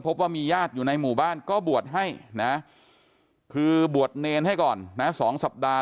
พบว่ามีญาติอยู่ในหมู่บ้านก็บวชให้นะคือบวชเนรให้ก่อนนะ๒สัปดาห